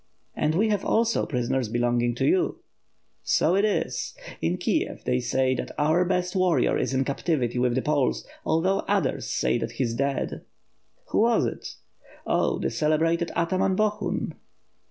"And we have also prisoners belonging to you!" "So it is. In Kiev, they say that our best warrior is in captivity with the Poles; although others gay that he is dead." WITH FIRE AND SWORD. 621 ''Who was it?'' "Oh, the celebrated ataman Bohun."